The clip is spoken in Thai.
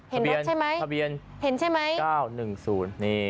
ทะเบียนทะเบียนเห็นใช่ไหมเห็นใช่ไหมเก้าหนึ่งศูนย์นี่